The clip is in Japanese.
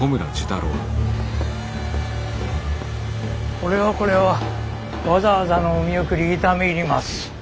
これはこれはわざわざのお見送り痛み入ります。